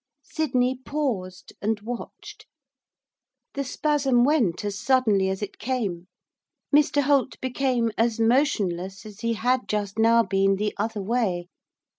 Sydney paused, and watched. The spasm went as suddenly as it came, Mr Holt became as motionless as he had just now been the other way.